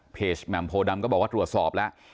แหม่มโพดำก็บอกว่าตรวจสอบแล้ว